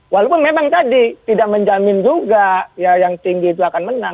walaupun memang tadi tidak menjamin juga ya yang tinggi itu akan menang